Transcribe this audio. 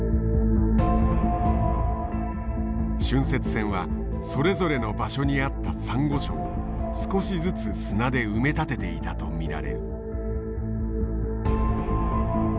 浚渫船はそれぞれの場所にあったサンゴ礁を少しずつ砂で埋め立てていたと見られる。